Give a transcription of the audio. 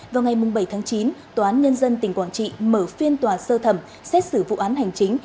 vào ngày bảy tháng chín tòa án nhân dân tỉnh quảng trị mở phiên tòa sơ thẩm xét xử vụ án hành chính